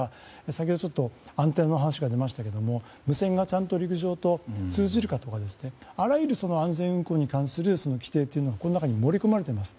先ほどアンテナの話が出ましたが無線がちゃんと陸上と通じるかですとかあらゆる安全運航に関する規定というものがこの中に盛り込まれています。